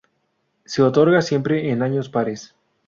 Se otorga siempre en años pares.